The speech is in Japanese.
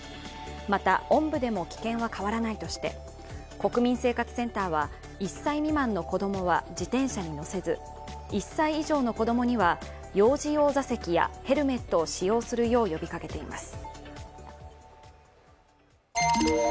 また、おんぶでも危険は変わらないとして国民生活センターは１歳未満の子供は自転車に乗せず、１歳以上の子供には幼児用座席やヘルメットを使用するよう呼びかけています。